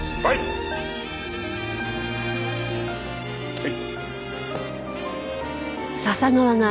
はい。